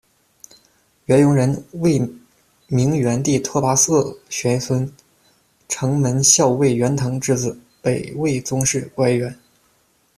元荣人，魏明元帝拓跋嗣玄孙，城门校尉元腾之子，北魏宗室、官员。